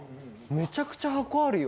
めちゃくちゃハコあるよ。